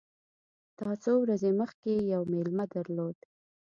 تا څو ورځي مخکي یو مېلمه درلود !